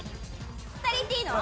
２人いっていいの？